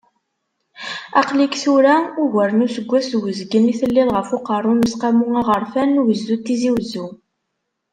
Aql-ik tura, uger n useggas d uzgen i telliḍ ɣef uqerru n Useqqamu Aɣerfan n Ugezdu n Tizi Uzzu.